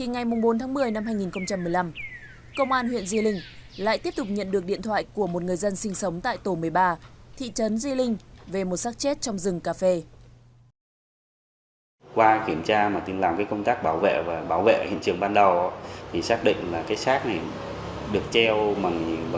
do địa bàn huyện di linh là địa bàn vùng núi địa bàn rộng nên là địa bàn dân cư thư thớt